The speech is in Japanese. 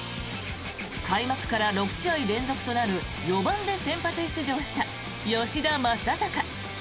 開幕から６試合連続となる４番で先発出場した吉田正尚。